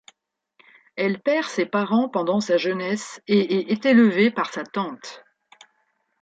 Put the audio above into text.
Elle perd ses parents pendant sa jeunesse et est élevée par sa tante.